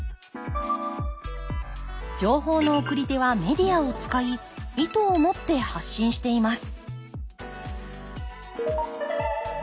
情報の送り手はメディアを使い意図を持って発信しています